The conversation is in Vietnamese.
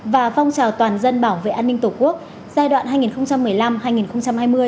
và phong trào toàn dân bảo vệ an ninh tổ quốc giai đoạn hai nghìn một mươi năm hai nghìn hai mươi